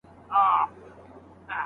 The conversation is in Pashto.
ایا لیک به اسانه سي؟